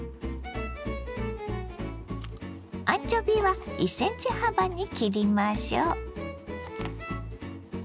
アンチョビは１ｃｍ幅に切りましょ。